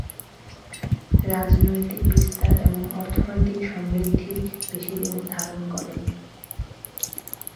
রাজনৈতিক বিস্তার এবং অর্থনৈতিক সমৃদ্ধি বেশিদিন ধারণ করেনি।